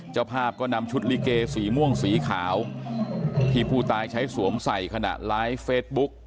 เจ้าภาพก็นำชุดลิเกสีม่วงสีขาวที่ผู้ตายใช้สวมใส่ขณะไลฟ์เฟซบุ๊ก